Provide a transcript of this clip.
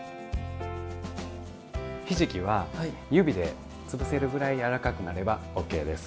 ひじきは指でつぶせるぐらいやわらかくなればＯＫです。